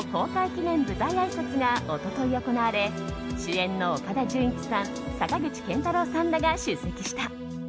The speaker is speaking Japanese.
記念舞台あいさつが一昨日行われ主演の岡田准一さん坂口健太郎さんらが出席した。